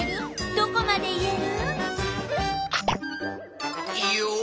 どこまで言える？